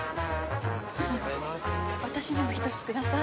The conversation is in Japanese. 私にも１つください。